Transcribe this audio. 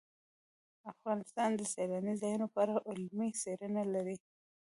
افغانستان د سیلاني ځایونو په اړه علمي څېړنې لري.